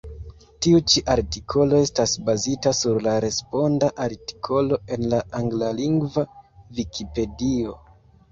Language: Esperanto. Tiu ĉi artikolo estas bazita sur la responda artikolo en la anglalingva Vikipedio.